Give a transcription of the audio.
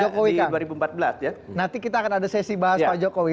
nanti kita akan bahas pak jokowi nanti kita akan ada sesi bahas pak jokowi